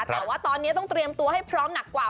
แต่ว่าตอนนี้ต้องเตรียมตัวให้พร้อมหนักกว่า